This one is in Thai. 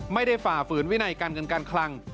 ฝ่าฝืนวินัยการเงินการคลัง